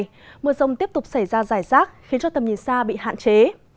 trong những ngày tới mưa rông tiếp tục xảy ra dài rác khiến cho tầm nhìn xa bị hạn chế